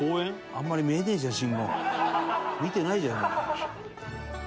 「あんまり見えねえじゃん信号」「見てないじゃん」